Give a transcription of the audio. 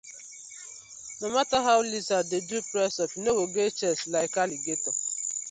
No matter how lizard dey do press up e no go get chest like alligator: